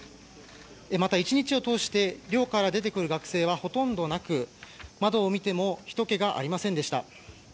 また、１日を通して寮から出てくる学生はほとんどなく窓を見てもひとけがありませんでした。